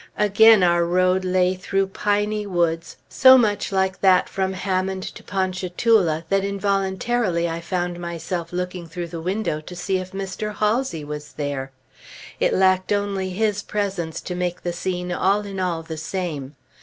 Again our road lay through piney woods, so much like that from Hammond to Ponchatoula that involuntarily I found myself looking through the window to see if Mr. Halsey was there. It lacked only his presence to make the scene all in all the same.